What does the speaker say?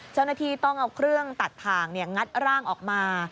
เจ้าหน้าที่ต้องเอาเครื่องตัดถ่างงัดร่างออกมา